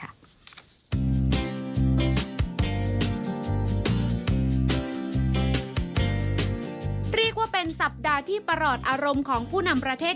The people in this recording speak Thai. เรียกว่าเป็นสัปดาห์ที่ประหลอดอารมณ์ของผู้นำประเทศ